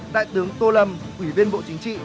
đại tướng tô lâm quỷ viên bộ chính trị